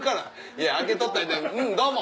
いや開けとったうんどうも！